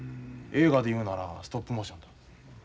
映画で言うならストップモーションだ。